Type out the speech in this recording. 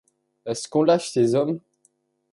Est-ce qu’on lâche ses hommes!